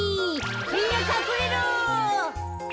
みんなかくれろ。